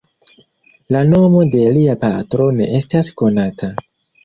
La nomo de lia patro ne estas konata.